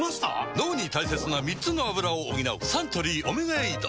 脳に大切な３つのアブラを補うサントリー「オメガエイド」